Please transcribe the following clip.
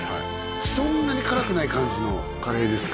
そんなに辛くない感じのカレーですか？